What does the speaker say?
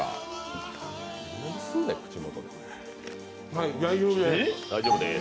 はい、大丈夫です。